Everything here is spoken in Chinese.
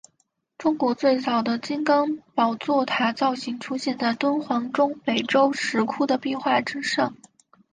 中国最早的金刚宝座塔造型出现在敦煌中北周石窟的壁画之上。